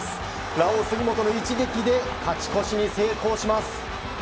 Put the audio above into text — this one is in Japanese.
ラオウ杉本の一撃で勝ち越しに成功します！